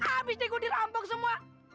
abis deh gue dirampok semua